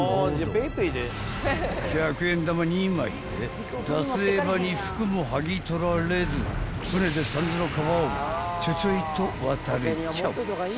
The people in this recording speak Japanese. ［１００円玉２枚で奪衣婆に服も剥ぎ取られず船で三途の川をちょちょいと渡れちゃう］